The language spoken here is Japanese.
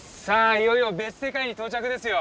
いよいよ別世界に到着ですよ。